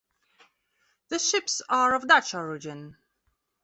The ships are of Dutch origin.